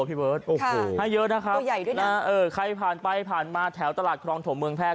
พี่เบิร์ตโอ้โหให้เยอะนะครับตัวใหญ่ด้วยนะเออใครผ่านไปผ่านมาแถวตลาดครองถมเมืองแพทย